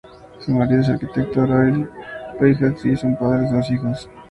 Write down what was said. Su marido es el arquitecto Oriol Bohigas y son padres de dos hijos.